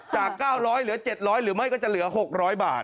จาก๙๐๐เหลือ๗๐๐หรือไม่ก็จะเหลือ๖๐๐บาท